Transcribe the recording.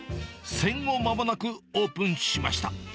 戦後まもなくオープンしました。